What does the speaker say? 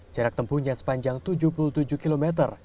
jarak tempuhnya sepanjang tujuh puluh tujuh km